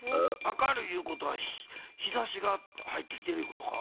明るいいうことは日ざしが入ってきてるいうことか？